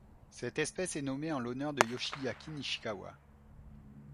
Cette espèce est nommée en l'honneur de Yoshiaki Nishikawa.